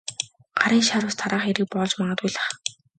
Гарын шар ус тараах хэрэг болж магадгүй л байх.